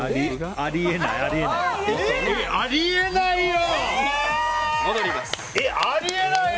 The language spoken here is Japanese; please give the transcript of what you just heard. あり得ないよ！